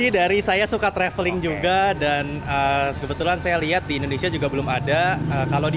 dari saya suka traveling juga dan kebetulan saya lihat di indonesia juga belum ada kalau di